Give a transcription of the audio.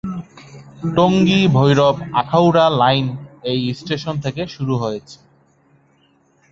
টঙ্গী-ভৈরব-আখাউড়া line এই station থেকে শুরু হয়েছে।